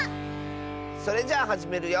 それじゃあはじめるよ。